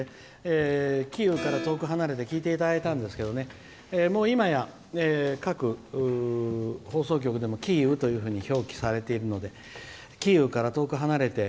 「キーウから遠く離れて」聴いていただいたんですけどいまや、各放送局でもキーウというふうに表記されていますので「キーウから遠く離れて」